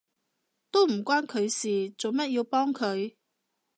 都唔關佢事，做乜要幫佢？